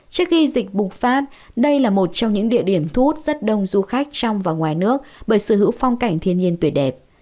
trước khi dịch bùng phát đây là một trong những địa điểm thu hút rất đông du khách trong và ngoài nước bởi sở hữu phong cảnh thiên nhiên tuyệt đẹp